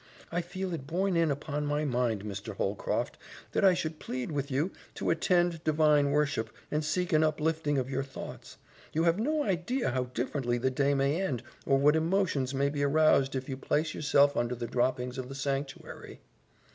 I feel it borne in upon my mind, Mr. Holcroft, that I should plead with you to attend divine worship and seek an uplifting of your thoughts. You have no idea how differently the day may end, or what emotions may be aroused if you place yourself under the droppings of the sanctuary."